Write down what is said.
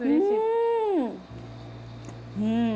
うん。